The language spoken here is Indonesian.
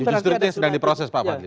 justru itu yang sedang diproses pak fadli